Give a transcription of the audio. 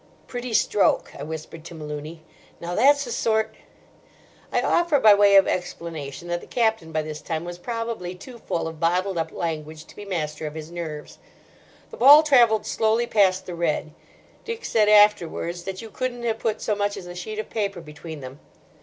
"Pretty stroke," I whispered to Malooney; "now, that's the sort—" I offer, by way of explanation, that the Captain by this time was probably too full of bottled up language to be master of his nerves. The ball travelled slowly past the red. Dick said afterwards that you couldn't have put so much as a sheet of paper between them.